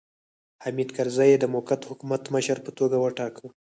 حامد کرزی یې د موقت حکومت مشر په توګه وټاکه.